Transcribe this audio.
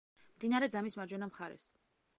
მდინარე ძამის მარჯვენა მხარეს.